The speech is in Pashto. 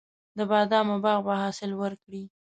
د بادامو باغ به حاصل وکړي.